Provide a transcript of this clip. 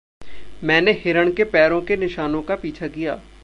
मैंने हिरण के पैरों के निशानों का पीछा किया।